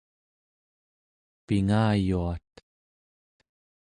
pingayuat